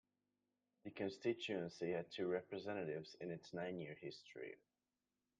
The constituency had two representatives in its nine-year history.